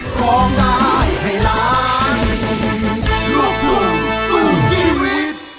พันธ์เสรี